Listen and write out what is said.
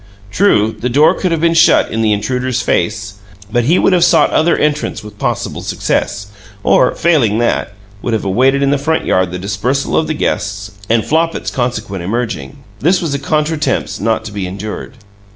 True, the door could have been shut in the intruder's face, but he would have sought other entrance with possible success, or, failing that, would have awaited in the front yard the dispersal of the guests and Flopit's consequent emerging. This was a contretemps not to be endured.